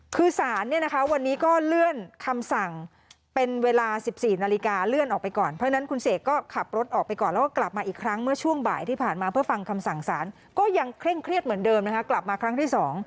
คือสารเนี่ยนะคะวันนี้ก็เลื่อนคำสั่งเป็นเวลา๑๔นาฬิกาเลื่อนออกไปก่อนเพราะฉะนั้นคุณเสกก็ขับรถออกไปก่อนแล้วก็กลับมาอีกครั้งเมื่อช่วงบ่ายที่ผ่านมาเพื่อฟังคำสั่งสารก็ยังเคร่งเครียดเหมือนเดิมนะคะกลับมาครั้งที่๒